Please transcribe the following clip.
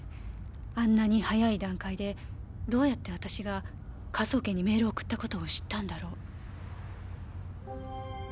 あんなに早い段階でどうやって私が科捜研にメールを送ったことを知ったんだろう？